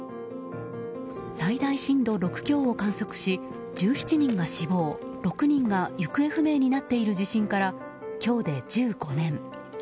最大震度６強を観測し１７人が死亡６人行方不明になっている地震から今日で１５年。